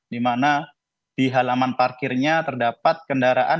di mana di halaman parkirnya terdapat kendaraan